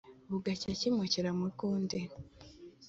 Bugacya kimokera mu rw' undi.